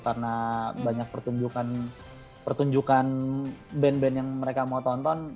karena banyak pertunjukan band band yang mereka mau tonton